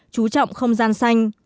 chú trọng không gian xanh